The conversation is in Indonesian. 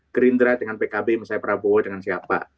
gerindra dengan pkb misalnya prabowo dengan siapa